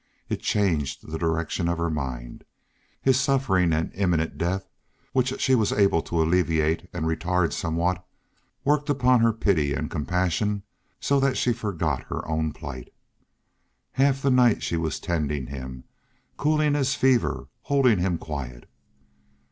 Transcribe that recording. It changed the direction of her mind. His suffering and imminent death, which she was able to alleviate and retard somewhat, worked upon her pity and compassion so that she forgot her own plight. Half the night she was tending him, cooling his fever, holding him quiet.